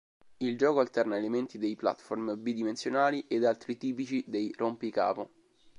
Il gioco alterna elementi dei platform bidimensionali ad altri tipici dei rompicapo.